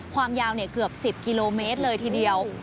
ความยาวเกือบ๑๐กิโลเมตรเลยทีเดียว